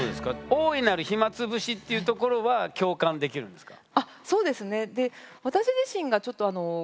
大いなる暇つぶしっていうところは共感できるんですか？